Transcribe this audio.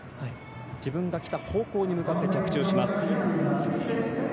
自分が来た方向に向かって着地します。